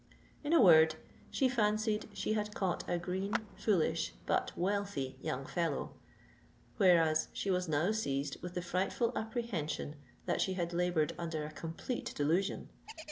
In a word, she fancied she had caught a green, foolish, but wealthy young fellow; whereas she was now seized with the frightful apprehension that she had laboured under a complete delusion.